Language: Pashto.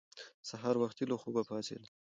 سهار وختي له خوبه پاڅېدل